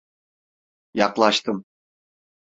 Yaklaştım.